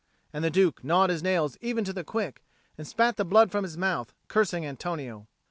And the Duke gnawed his nails even to the quick, and spat the blood from his mouth, cursing Antonio.